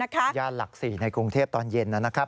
สุริยาลักษณ์๔ในกรุงเทพฯตอนเย็นนะครับ